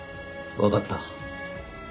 わかった。